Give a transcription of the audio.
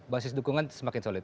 basis dukungan semakin solid